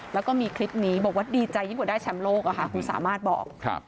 แล้วก็มีคลิปนี้บอกว่าดีใจยิ่งกว่าได้แชมป์โลกคุณสามารถบอก